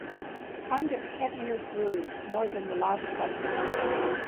Kind of heavier grooves, more than the last couple.